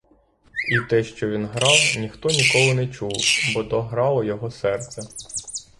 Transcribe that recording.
І те, що він грав, ніхто ніколи не чув, бо то грало його серце.